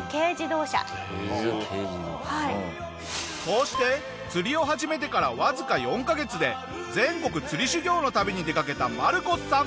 こうして釣りを始めてからわずか４カ月で全国釣り修業の旅に出かけたマルコスさん。